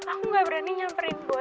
aku gak berani nyamperin boy